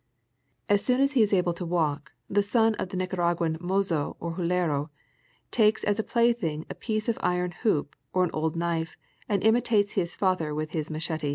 As soon as he is able to walk, the son of the Nicaraguan raozo or hidero takes as a plaything a piece of iron hoop or an old knife, and imitates his father with his machete.